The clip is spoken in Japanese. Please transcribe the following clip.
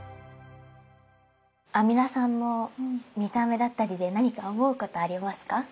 阿弥陀さんの見た目だったりで何か思うことありますか？